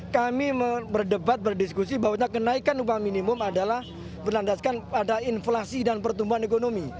kami berdebat berdiskusi bahwa kenaikan upah minimum adalah berlandaskan pada inflasi dan pertumbuhan ekonomi